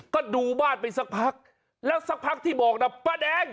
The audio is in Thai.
ก็ดูบ้านไปสักพักแล้วสักพักที่บอกนะป้าแดง